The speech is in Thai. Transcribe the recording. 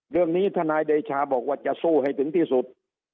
เรื่องนี้ท่านนายเดชาบอกว่าจะสู้ให้ถึงที่สุด